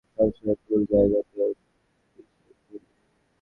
সবসময় ভুল জায়গাগুলোতেই বিচরণ করি!